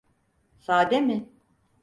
Sade mi?